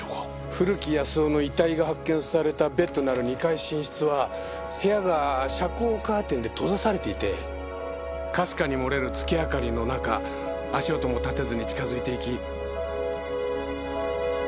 古木保男の遺体が発見されたベッドのある２階寝室は部屋が遮光カーテンで閉ざされていてかすかに漏れる月明かりの中足音も立てずに近づいていき。